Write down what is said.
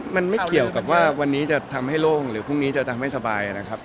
มันไม่เกี่ยวกับว่าวันนี้จะทำให้โล่งหรือพรุ่งนี้จะทำให้สบายนะครับ